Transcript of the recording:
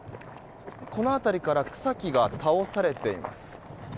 この辺りから草木が倒されています。